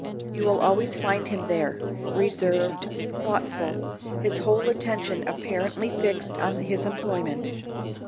You will always find him there, reserved, thoughtful, his whole attention apparently fixed on his employment.